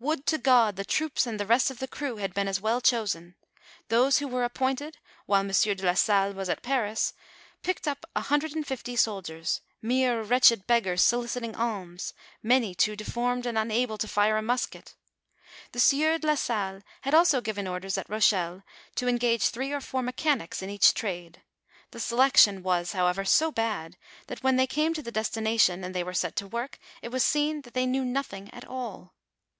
Would to God the troops and the rest of the crew bad been as well chosen ! Those who were appointed, while M. de la Salle was at Paris, picked up a hundred and fifty soldiers, mere wretched beggars soliciting alms, many too de formed and unable to fire a musket. The sieur de la Salle had also given orders at Rochel^e to engage three or four mechanics in each trade ; the selection was, however, so bad, that when they came to the destination, and they were set to work, it was seen that they knew nothing at all.